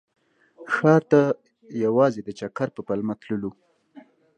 ښار ته یوازې د چکر په پلمه تللو.